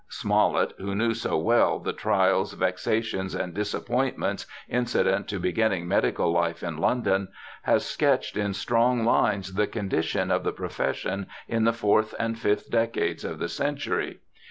Smollett, who knew so well the trials, vexations, and disappointments incident to beginning medical life in London, has sketched in strong lines the condition of the profession in the fourth and fifth decades of the century.